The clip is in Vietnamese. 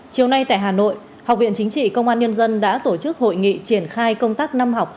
chiều nay tại hà nội học viện chính trị công an nhân dân đã tổ chức hội nghị triển khai công tác năm học hai nghìn một mươi chín hai nghìn hai mươi